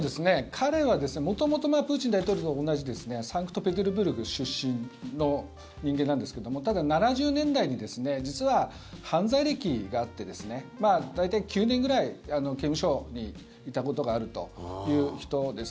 彼は元々、プーチン大統領と同じサンクトペテルブルク出身の人間なんですけどもただ、７０年代に実は犯罪歴があって大体９年くらい刑務所にいたことがあるという人です。